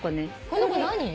この子何？